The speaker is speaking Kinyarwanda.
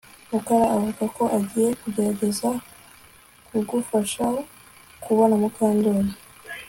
Mukara avuga ko agiye kugerageza kugufasha kubona Mukandoli